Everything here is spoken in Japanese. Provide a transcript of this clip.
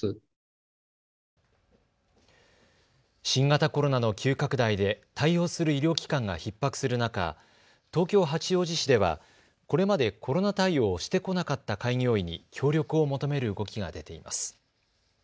新型コロナの急拡大で対応する医療機関がひっ迫する中東京八王子市ではこれまでコロナ対応をしてこなかった開業医に協力を求める動きが出ています。